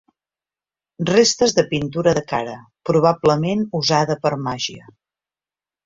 Restes de pintura de cara, probablement usada per màgia.